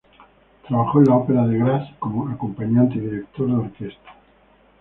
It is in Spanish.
Trabajó en la Ópera de Graz como acompañante y director de orquesta.